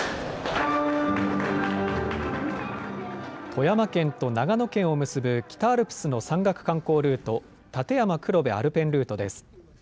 富山県と長野県を結ぶ北アルプスの山岳観光ルート、立山黒部アルペンルートです。